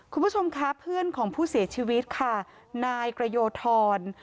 คุณผู้ชมค่ะเพื่อนของผู้เสียชีวิตค่ะนายกระโยธร